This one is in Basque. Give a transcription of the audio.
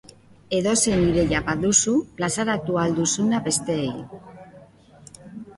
Edozein ideia baduzu, plazaratu ahal duzuna besteei.